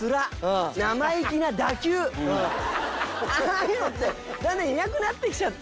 ああいうのってだんだんいなくなってきちゃってるから。